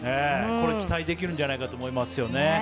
これ、期待できるんじゃないかと思いますよね。